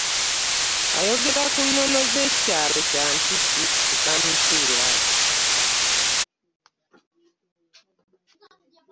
Ayogera ku nnono z’ekyalo Kyampisi e Kyamutuula.